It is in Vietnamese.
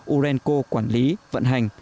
urenco quản lý vận hành